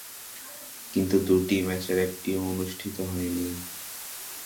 কিন্তু দুটি ম্যাচের একটিও অনুষ্ঠিত হয়নি।